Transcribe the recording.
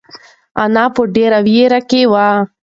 انا په ډېره وېره کې وه.